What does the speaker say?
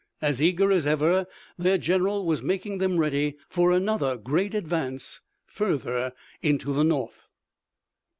As eager as ever, their general was making them ready for another great advance further into the North.